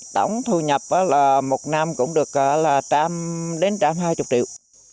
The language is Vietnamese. tổng thu nhập một năm cũng được đến một trăm hai mươi triệu